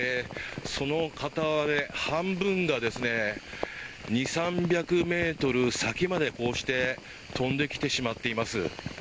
その片割れで半分が２００３００ｍ先までこうして飛んできてしまっています。